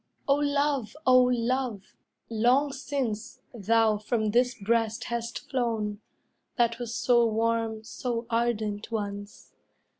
O love, O love, long since, thou from this breast Hast flown, that was so warm, so ardent, once.